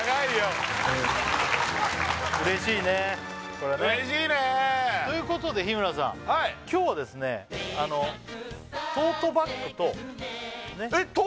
これねうれしいねということで日村さん今日はですねトートバッグとえっと？